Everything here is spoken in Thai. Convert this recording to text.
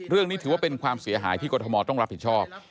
เรื่องนี้ถือว่าเป็นความเสียหายที่กรทมต้องรับผิดชอบ